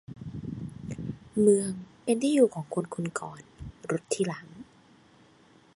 เมืองเป็นที่อยู่ของคนคนก่อน รถทีหลัง